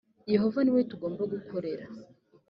yehova ni we tugomba gukorera